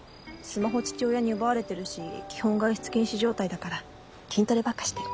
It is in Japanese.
スマホ父親に奪われてるし基本外出禁止状態だから筋トレばっかしてる。